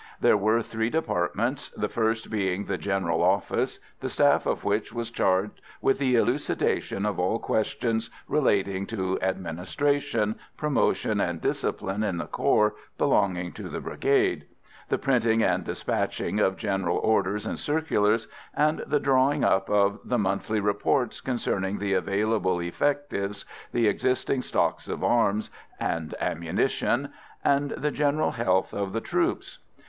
There were three departments, the first being the general office, the staff of which was charged with the elucidation of all questions relating to administration, promotion and discipline in the corps belonging to the Brigade, the printing and despatching of general orders and circulars, and the drawing up of the monthly reports concerning the available effectives, the existing stocks of arms and ammunition, and the general health of the troops.